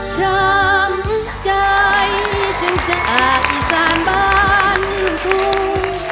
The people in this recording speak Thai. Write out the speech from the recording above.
ช้ำใจจึงจะอาบอีสานบ้านทุ่ง